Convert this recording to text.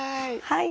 はい。